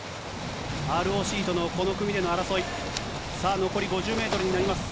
ＲＯＣとのこの組での争い、さあ、残り５０メートルになります。